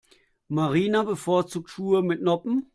Marina bevorzugt Schuhe mit Noppen.